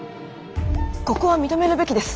ここは認めるべきです。